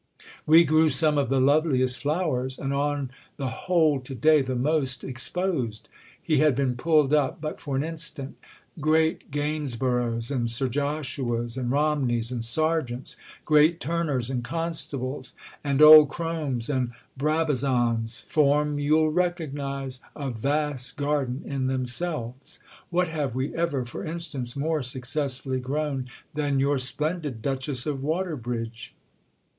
"We grew some of the loveliest flowers—and on the whole to day the most exposed." He had been pulled up but for an instant. "Great Gainsboroughs and Sir Joshuas and Romneys and Sargents, great Turners and Constables and old Cromes and Brabazons, form, you'll recognise, a vast garden in themselves. What have we ever for instance more successfully grown than your splendid 'Duchess of Waterbridge'?"